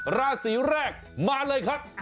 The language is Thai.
ราศีแรกมาเลยครับ